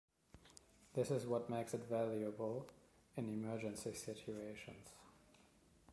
This is what makes it valuable in emergency situations.